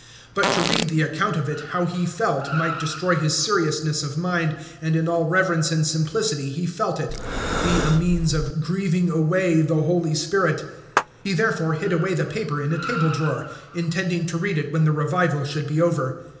But to read the account of it how he felt might destroy his seriousness of mind, and in all reverence and simplicity he felt it be a means of "grieving away the Holy Spirit." He therefore hid away the paper in a table drawer, intending to read it when the revival should be over.